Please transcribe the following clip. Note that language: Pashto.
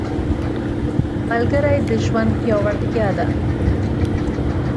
ملګری د ژوند پیاوړتیا ده